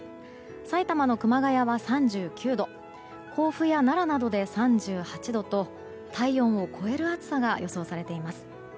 埼玉の熊谷は３９度甲府や奈良などで３８度と体温を超える暑さが予想されています。